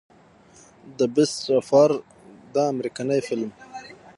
د امريکني فلم The Beast of War